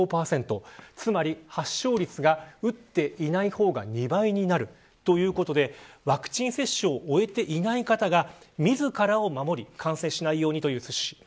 つまり発症率は打っていない方が２倍になるということでワクチン接種を終えていない方が自らを守り感染しないようにという趣旨。